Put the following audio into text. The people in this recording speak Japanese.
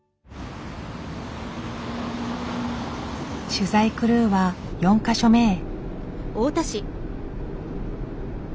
取材クルーは４か所目へ。